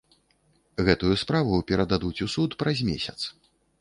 Гэтую справу перададуць у суд праз месяц.